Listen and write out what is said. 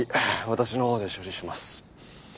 私の方で処理します。